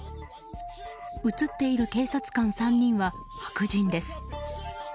映っている警察官３人は白人です。